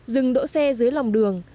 dừng đỗ xe dưới lòng đường